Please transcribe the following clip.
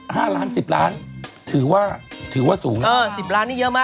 ห้าล้านสิบล้านถือว่าถือว่าสูงนะเออสิบล้านนี่เยอะมาก